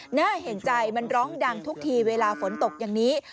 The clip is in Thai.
หน้าเห็นใจมันร้องดังทุกทีเวลาฝนตกอย่างนี้